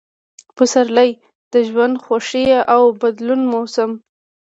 پسرلی – د ژوند، خوښۍ او بدلون موسم